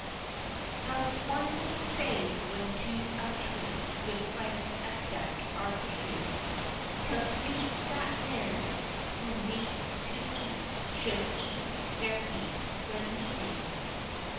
Thus, one might say, when to a treat good friends accept our greeting, 'Tis meet that men who meet to eat should eat their meat when meeting.